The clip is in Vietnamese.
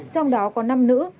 trong đó có năm nữ